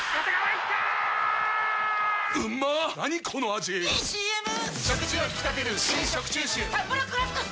⁉いいＣＭ！！